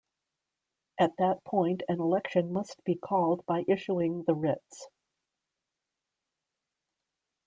At that point, an election must be called by issuing the writs.